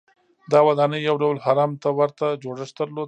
دا ودانۍ یو ډول هرم ته ورته جوړښت درلود.